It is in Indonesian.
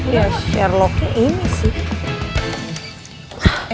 ya sherlocknya ini sih